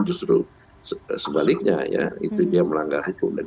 dan justru sebaliknya ya itu dia melanggar hukum